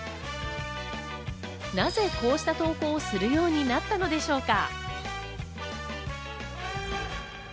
なぜ、こうした投稿をするようになったのでしょうか？